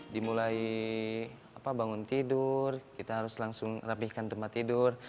dimulai bangun tidur kita harus langsung rapihkan tempat tidur